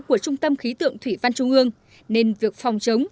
của trung tâm khí tượng thủy văn trung ương nên việc phòng chống